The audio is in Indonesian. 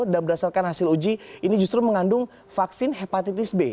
dan berdasarkan hasil uji ini justru mengandung vaksin hepatitis b